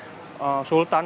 yaitu di wilayah pak depokan